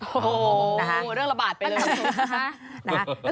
โอ้โหเรื่องระบาดไปแล้ว